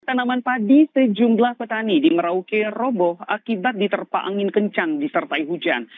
tanaman padi sejumlah petani di merauke roboh akibat diterpa angin kencang disertai hujan